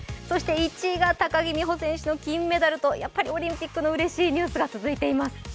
そして１位が高木美帆選手の金メダルとオリンピックのうれしいニュースが続いています。